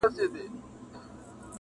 • څوک وتله څوک په غار ننوتله..